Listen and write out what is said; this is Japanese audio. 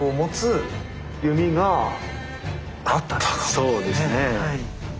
そうですね。